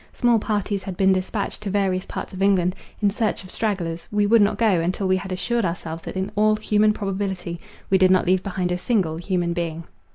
Small parties had been dispatched to various parts of England, in search of stragglers; we would not go, until we had assured ourselves that in all human probability we did not leave behind a single human being.